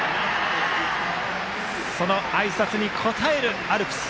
そのあいさつに応えるアルプス。